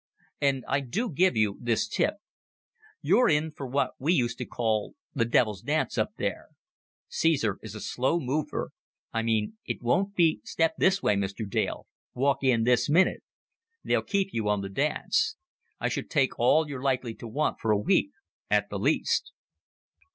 And I do give you this tip. You're in for what we used to call the devil's dance up there. Cæsar is a slow mover. I mean, it won't be 'Step this way, Mr. Dale. Walk in this minute.' They'll keep you on the dance. I should take all you're likely to want for a week at the least."